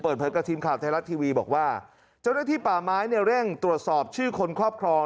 เปิดเผยกับทีมข่าวไทยรัฐทีวีบอกว่าเจ้าหน้าที่ป่าไม้เนี่ยเร่งตรวจสอบชื่อคนครอบครอง